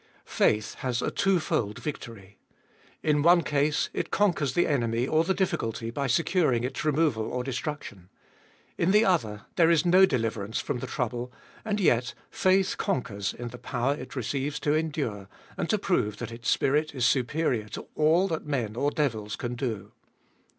FAITH has a twofold victory. In one case, it conquers the enemy or the difficulty by securing its removal or destruction. In the other, there is no deliverance from the trouble, and yet faith conquers in the power it receives to endure, and to prove that its spirit is superior to all that men or devils can do.